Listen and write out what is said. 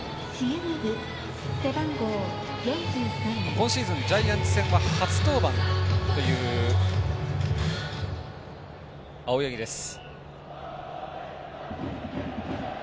今シーズン、ジャイアンツ戦は初登板という青柳です。